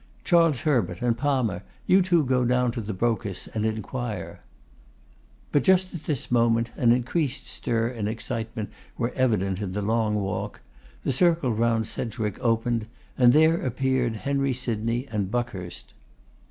Charles Herbert and Palmer, you two go down to the Brocas and inquire.' But just at this moment, an increased stir and excitement were evident in the Long Walk; the circle round Sedgwick opened, and there appeared Henry Sydney and Buckhurst.